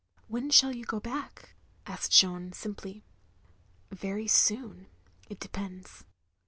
"When shall you go back?" asked Jeanne, simply. "Very soon — ^it depends."